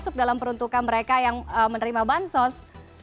masuk dalam peruntukan mereka yang menerima bansos